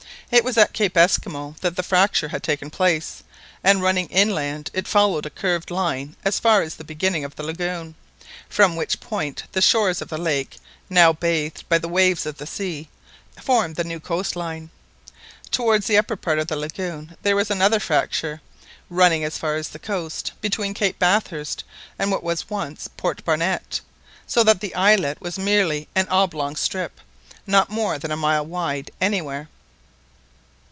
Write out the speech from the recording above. It was at Cape Esquimaux that the fracture had taken place, and running inland, it followed a curved line as far as the beginning of the lagoon, from which point the shores of the lake, now bathed by the waves of the sea, formed the new coast line. Towards the upper part of the lagoon there was another fracture, running as far as the coast, between Cape Bathurst and what was once Port Barnett, so that the islet was merely an oblong strip, not more than a mile wide anywhere.